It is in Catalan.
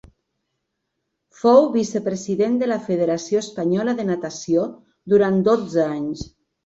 Fou vicepresident de la Federació Espanyola de Natació durant dotze anys.